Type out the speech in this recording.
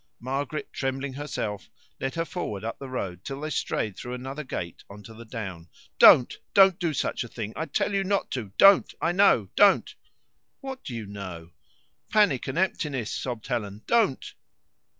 Margaret, trembling herself, led her forward up the road, till they strayed through another gate on to the down. "Don't, don't do such a thing! I tell you not to don't! I know don't!" "What do you know?" "Panic and emptiness," sobbed Helen. "Don't!"